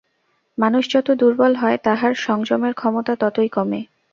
মানুষ যত দুর্বল হয়, তাহার সংযমের ক্ষমতা ততই কম।